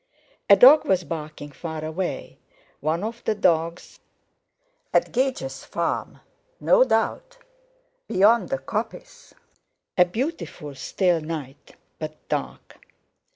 A dog was barking far away, one of the dogs at Gage's farm no doubt, beyond the coppice. A beautiful still night, but dark.